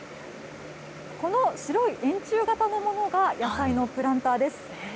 この白い円柱型のものが野菜のプランターです。